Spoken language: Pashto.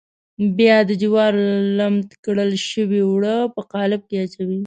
بیا د جوارو لمد کړل شوي اوړه په قالب کې اچوي.